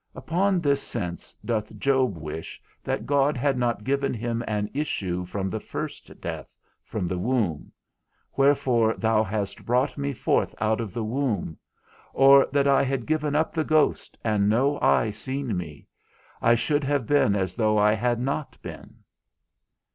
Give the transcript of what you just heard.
Upon this sense doth Job wish that God had not given him an issue from the first death, from the womb, _Wherefore thou hast brought me forth out of the womb? Oh that I had given up the ghost, and no eye seen me! I should have been as though I had not been.